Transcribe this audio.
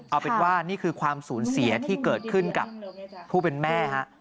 เอาเป็นว่านี่คือความสูญเสียที่เกิดขึ้นกับผู้เป็นแม่ฮะ